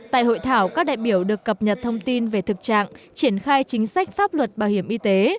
tại hội thảo các đại biểu được cập nhật thông tin về thực trạng triển khai chính sách pháp luật bảo hiểm y tế